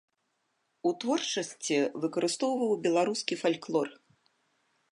У творчасці выкарыстоўваў беларускі фальклор.